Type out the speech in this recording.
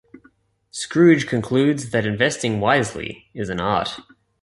Scrooge concludes that investing wisely is an art.